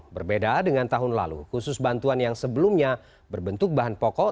berbeda dengan tahun lalu khusus bantuan yang sebelumnya berbentuk bahan pokok